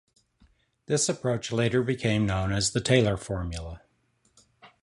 This approach later became known as the "Taylor Formula".